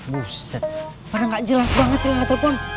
buset pada gak jelas banget sih yang nge telepon